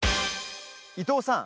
伊藤さん